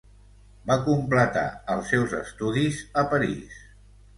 Va completar els seus estudis a París.